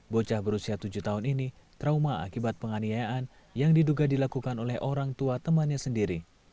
bocah berusia tujuh tahun ini trauma akibat penganiayaan yang diduga dilakukan oleh orang tua temannya sendiri